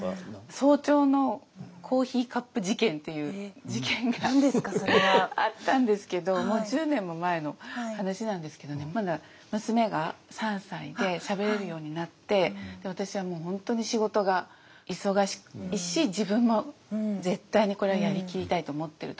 早朝のコーヒーカップ事件っていう事件があったんですけどもう１０年も前の話なんですけどねまだ娘が３歳でしゃべれるようになって私はもう本当に仕事が忙しいし自分も絶対にこれはやりきりたいと思ってる時で。